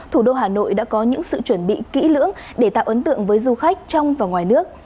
thủ đô hà nội đã có những sự chuẩn bị kỹ lưỡng để tạo ấn tượng với du khách trong và ngoài nước